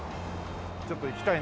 ちょっと行きたいね